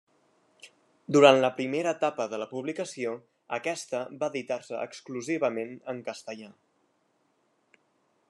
Durant la primera etapa de la publicació, aquesta va editar-se exclusivament en castellà.